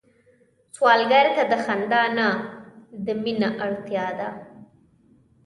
سوالګر ته د خندا نه، د مينه اړتيا ده